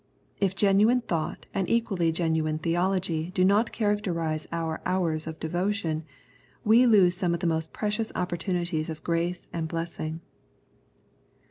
If genuine thought and equally genuine theo logy do not characterise our hours of de votion, we lose some of the most precious opportunities of grace and blessing.